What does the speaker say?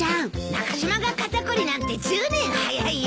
中島が肩凝りなんて１０年早いよ。